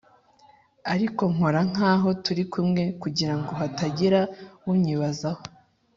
ariko nkora nk'aho turi kumwe kugira ngo hatagira unyibazaho.